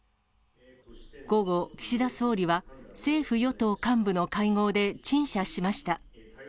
午後、岸田総理は政府・与党幹部の会合で陳謝しました。